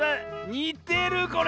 にてるこれ！